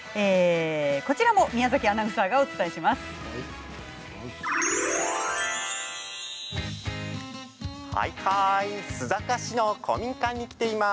こちらも宮崎アナウンサーがお伝えします。